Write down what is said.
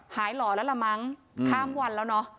หล่อแล้วล่ะมั้งข้ามวันแล้วเนอะ